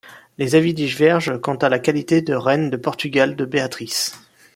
Les avis divergent quant à la qualité de reine de Portugal de Béatrice.